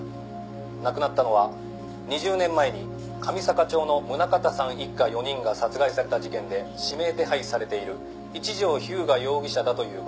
「亡くなったのは２０年前に神坂町の宗像さん一家４人が殺害された事件で指名手配されている一条彪牙容疑者だという事です」